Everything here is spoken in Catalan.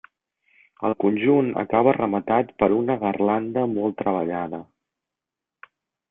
El conjunt acaba rematat per una garlanda molt treballada.